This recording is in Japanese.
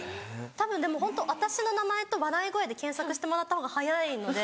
たぶんでもホント私の名前と「笑い声」で検索してもらったほうが早いので。